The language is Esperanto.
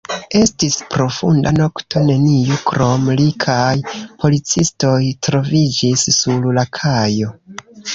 Estis profunda nokto, neniu krom li kaj policistoj troviĝis sur la kajo.